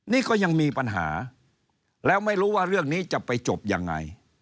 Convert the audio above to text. นี่ก็ยังมีปัญหาแล้วไม่รู้ว่าเรื่องนี้จะไปจบยังไง